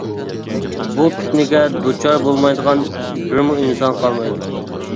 بۇ پىتنىگە دۇچار بولمايدىغان بىرمۇ ئىنسان قالمايدۇ.